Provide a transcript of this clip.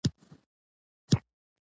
راکټ د ستورمزلو خوندور داستان لري